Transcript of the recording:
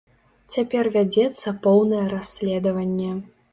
Цяпер вядзецца поўнае расследаванне.